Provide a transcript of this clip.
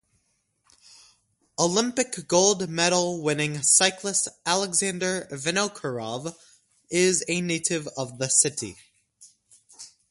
Olympic gold medal winning cyclist Alexander Vinokourov is a native of the city.